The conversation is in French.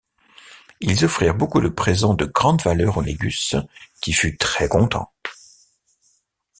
Ils offrirent beaucoup de présents de grande valeur au Négus qui fut très content.